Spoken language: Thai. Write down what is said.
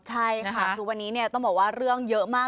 ใช่ค่ะคือวันนี้ต้องบอกว่าเรื่องเยอะมาก